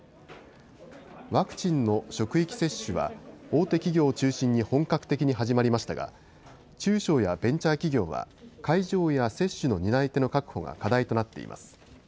ワクチンの職域接種は大手企業を中心に本格的に始まりましたが中小やベンチャー企業は会場や接種の担い手の確保が課題となっています。